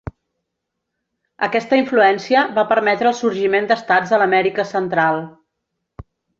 Aquesta influència va permetre el sorgiment d'estats a l'Amèrica Central.